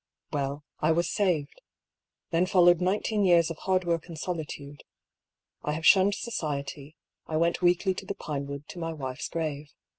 " Well, I was saved. Then followed nineteen years of hard work and solitude. I have shunned society; I went weekly to the Pinewood, to my wife's grave.